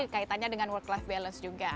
kaitannya dengan work lift balance juga